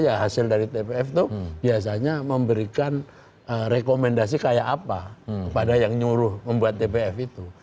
ya hasil dari tpf itu biasanya memberikan rekomendasi kayak apa kepada yang nyuruh membuat tpf itu